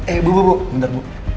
eh bu bu bu bentar bu